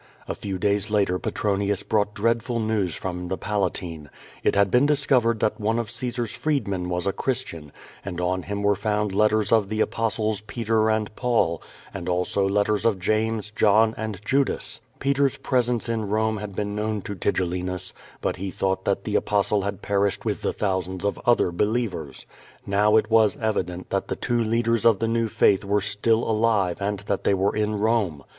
A few days later Petronius brought dreadful news from the Palatine. It had been discovered that one of Caesaifs freed men was a Christian, and on him were found Icttofs of the Apostles Peter and Paul, and also letters of James, Jthn, and Judas. Peter's presence in Rome had been known tc^Tigelli nus, but he thought that the Apostle had perished >mh the thousands of otlier believers. Now it was evident thailthe two leaders of the new faith were still alive and that they \fere in Rome.